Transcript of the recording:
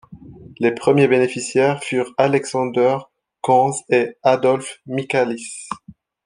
Les premiers bénéficiaires furent Alexander Conze et Adolf Michaelis.